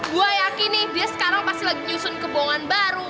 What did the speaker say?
gue yakin nih dia sekarang masih lagi nyusun kebohongan baru